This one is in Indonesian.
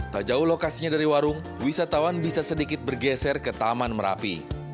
tak jauh lokasinya dari warung wisatawan bisa sedikit bergeser ke taman merapi